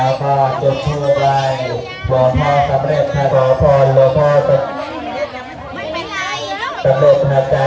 อาบใช่ไหมอย่ามาอาบกับคนก่อนนะอย่าค่อยมาลุงนะ